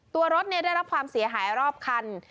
ตัวรถได้รับความเสียหายรอบคัน